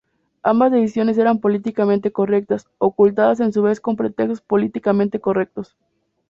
Ambas decisiones eran políticamente correctas, ocultadas a su vez con pretextos políticamente correctos.